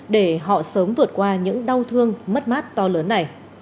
để họ sớm vượt qua những đau thương mất mát to lớn này